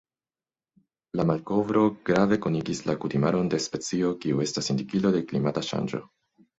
La malkovro grave konigis la kutimaron de specio kiu estas indikilo de klimata ŝanĝo.